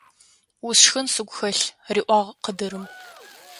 Усшхын сыгу хэлъ! – риӀуагъ къыдырым.